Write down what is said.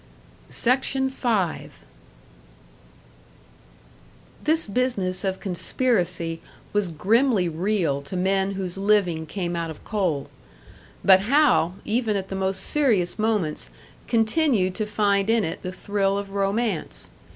This business of conspiracy was grimly real to men whose living came out of coal; but Hal, even at the most serious moments, continued to find in it the thrill of romance.